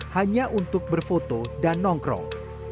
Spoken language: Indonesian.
hanya untuk berfoto dan nongkrong